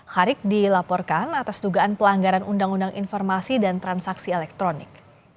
harik dilaporkan atas dugaan pelanggaran undang undang informasi dan transaksi elektronik